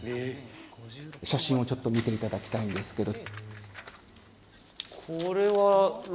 写真をちょっと見ていただきたいんですけど。